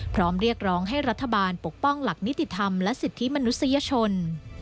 พร้อมเรียกร้องให้รัฐบาลปกป้องหลักนิติธรรมและสิทธิมนุษยชน